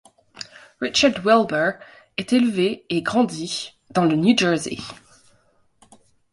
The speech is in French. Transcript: Richard Wilbur est élevé et grandit dans le New Jersey.